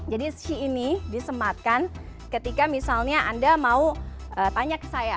jadi she ini disematkan ketika misalnya anda mau tanya ke saya